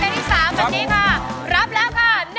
ร้องการที่เป็นที่๓วันนี้ค่ะ